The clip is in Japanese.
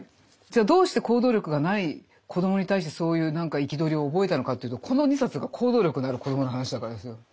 どうして行動力がない子どもに対してそういう憤りを覚えたのかというとこの２冊が行動力のある子どもの話だからですよ。